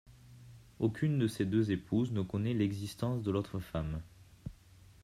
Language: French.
Aucune de ses deux épouses ne connaît l'existence de l'autre femme.